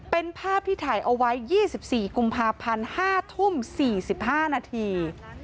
เป็นภาพที่ถ่ายเอาไว้ยี่สิบสี่กุมภาพันธ์ห้าทุ่มสี่สิบห้านาที